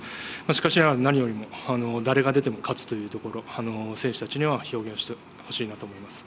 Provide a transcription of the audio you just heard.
しかしながら、何よりも誰が出ても勝つというところ選手たちには表現してほしいなと思います。